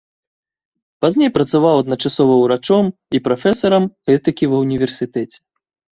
Пазней працаваў адначасова ўрачом і прафесарам этыкі ва ўніверсітэце.